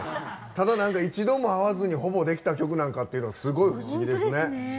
ただ、一度も会わずにほぼできた曲ってすごい不思議ですね。